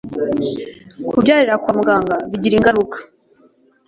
kubyarira kwa muganga bigira ingaruka